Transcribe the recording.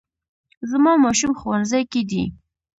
زما ماشوم ښوونځي کې دی